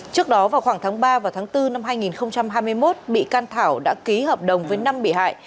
trước đó vào khoảng tháng ba và tháng bốn năm hai nghìn hai mươi một bị can thảo đã ký hợp đồng với năm bị hại